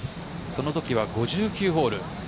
その時は５９ホール。